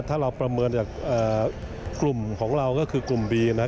ถ้าเราประเมินจากกลุ่มของเราก็คือกลุ่มบีนะครับ